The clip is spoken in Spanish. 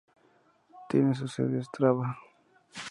Tiene su sede en Ostrava.